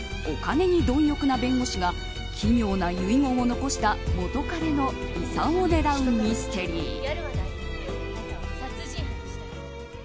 お金にどん欲な弁護士が奇妙な遺言を残した元カレの遺産を狙うミステリー。